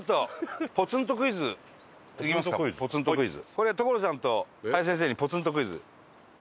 これ所さんと林先生にポツンとクイズ。